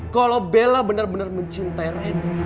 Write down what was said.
kalau bella bener bener mencintai reno